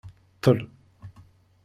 Ttel.